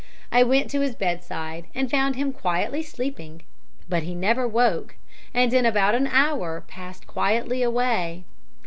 I went to his bedside and found him quietly sleeping, but he never woke, and in about an hour passed quietly away.